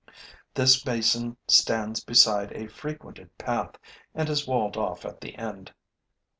This basin stands beside a frequented path and is walled off at the end.